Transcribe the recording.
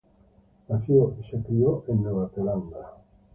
Nació y se crio en Nueva Zelanda.